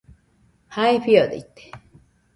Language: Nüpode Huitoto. Jae fiodaite